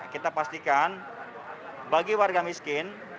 kita pastikan bagi warga miskin